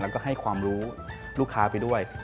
แล้วก็ให้ความรู้ลูกค้าไปด้วย